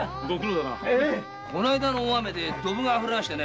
この間の雨で「ドブ」があふれましてね